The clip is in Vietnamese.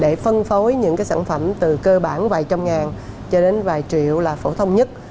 để phân phối những sản phẩm từ cơ bản vài trăm ngàn cho đến vài triệu là phổ thông nhất